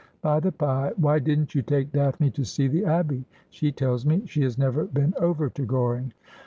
By the bye, why didn't you take Daphne to see the Abbey ? She tells me she has never been over to Goring.'